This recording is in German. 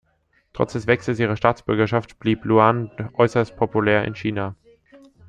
Trotz des Wechsels ihrer Staatsbürgerschaft blieb Luan äußerst populär in China.